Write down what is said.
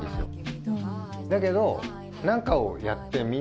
だけど。